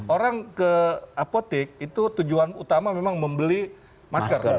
orang ke apotek itu tujuan utama memang membeli masker